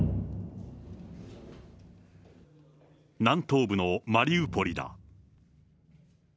南東部のマリウポリだ。